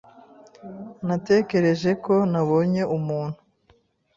Natekereje ko nabonye umuntu.